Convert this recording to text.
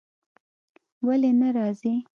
ولی نه راځی ؟